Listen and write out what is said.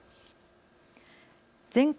全国